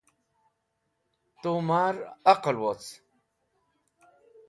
Tu mar aql woc.